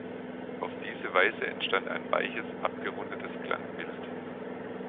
Auf diese Weise entstand ein weiches, abgerundetes Klangbild.